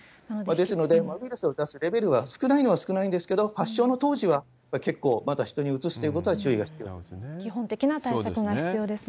ですので、ウイルスを出すレベルが少ないのは少ないんですけれども、発症の当時は結構まだ人にうつすということには注意が必要です。